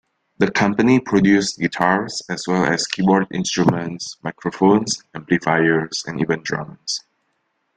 The company produced guitars as well as keyboard instruments, microphones, amplifiers and even drums.